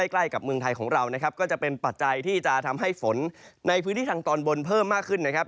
ใกล้กับเมืองไทยของเรานะครับก็จะเป็นปัจจัยที่จะทำให้ฝนในพื้นที่ทางตอนบนเพิ่มมากขึ้นนะครับ